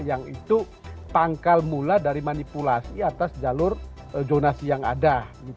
yang itu pangkal mula dari manipulasi atas jalur zonasi yang ada